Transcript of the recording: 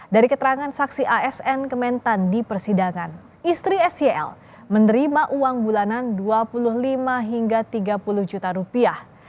dari keterangan saksi asn kementan di persidangan istri sel menerima uang bulanan dua puluh lima hingga tiga puluh juta rupiah